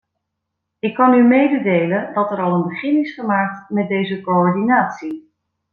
Ik kan u mededelen dat er al een begin is gemaakt met deze coördinatie.